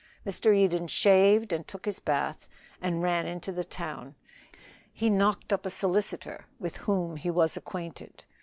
Mr. Eden shaved and took his bath, and ran into the town. He knocked up a solicitor, with whom he was acquainted.